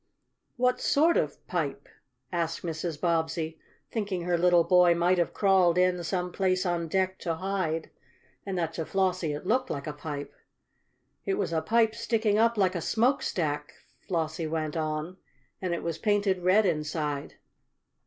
"What sort of pipe?" asked Mrs. Bobbsey, thinking her little boy might have crawled in some place on deck to hide, and that to Flossie it looked like a pipe. "It was a pipe sticking up like a smokestack," Flossie went on, "and it was painted red inside."